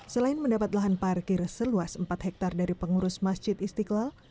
selain mendapat lahan parkir seluas empat hektare dari pengurus masjid istiqlal